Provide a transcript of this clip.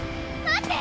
待って！